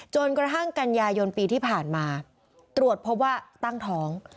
จนกระทั่งกันยายนปีที่ผ่านมาตรวจพบว่าตั้งท้อง